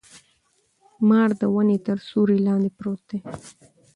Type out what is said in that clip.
مار د ونې تر سیوري لاندي پروت دی.